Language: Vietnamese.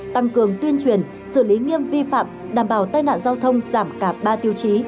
tăng cường tuyên truyền xử lý nghiêm vi phạm đảm bảo tai nạn giao thông giảm cả ba tiêu chí